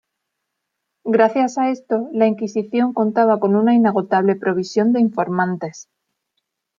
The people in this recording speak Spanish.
Gracias a esto la Inquisición contaba con una inagotable provisión de informantes.